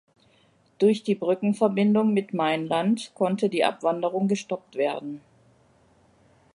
Durch die Brückenverbindung mit Mainland konnte die Abwanderung gestoppt werden.